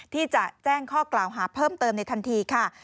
ที่จะแจ้งข้อกล่าวหาเพิ่มเติมในทันทีค่ะ